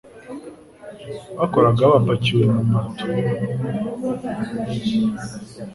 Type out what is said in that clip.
bakoraga bapakiwe mu mato.